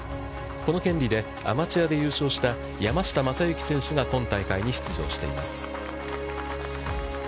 この権利で、アマチュアで優勝した山下勝将選手が今大会に出場しています。